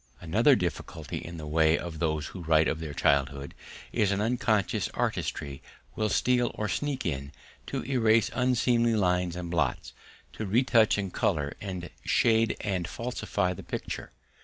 Another difficulty in the way of those who write of their childhood is that unconscious artistry will steal or sneak in to erase unseemly lines and blots, to retouch, and colour, and shade and falsify the picture.